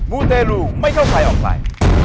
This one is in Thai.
มูเตรลูไม่เข้าใครออกใคร